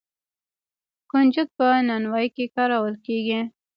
کنجد په نانوايۍ کې کارول کیږي.